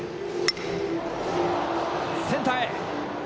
センターへ！